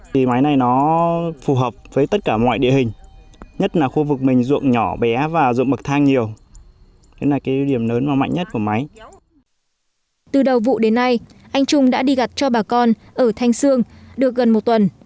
từ đầu vụ đến nay anh trung đã đi gặt cho bà con ở thanh sương được gần một tuần